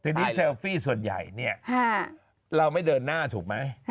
ทีนี้เซลฟี่ส่วนใหญ่เนี่ยเราไม่เดินหน้าถูกไหม